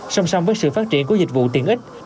song song với sự phát triển của dịch vụ tiện ích